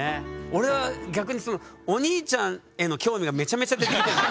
俺は逆にお兄ちゃんへの興味がめちゃめちゃ出てきてんだけど。